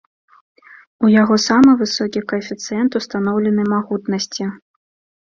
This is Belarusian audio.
У яго самы высокі каэфіцыент устаноўленай магутнасці.